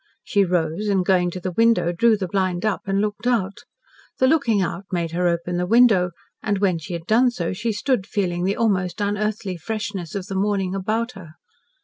She rose, and going to the window drew the blind up and looked out. The looking out made her open the window, and when she had done so she stood feeling the almost unearthly freshness of the morning about her.